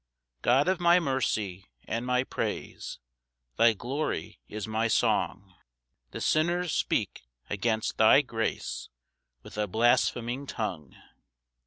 1 God of my mercy and my praise, Thy glory is my song; The sinners speak against thy grace With a blaspheming tongue.